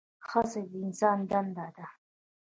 هڅه د انسان دنده ده؟